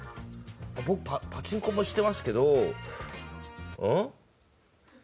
僕パチンコもしてますけど。